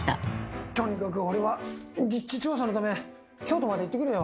とにかく俺は実地調査のため京都まで行ってくるよ。